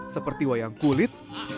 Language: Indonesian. seperti wayang kulit